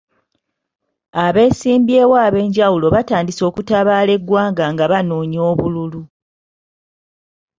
Abeesimbyewo ab'enjawulo batandise okutabaala eggwanga nga banoonya obululu.